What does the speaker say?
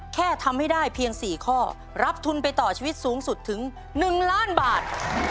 แค่ทำให้ได้เพียง๔ข้อรับทุนไปต่อชีวิตสูงสุดถึง๑ล้านบาท